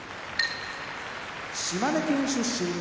島根県出身